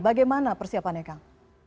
bagaimana persiapannya kang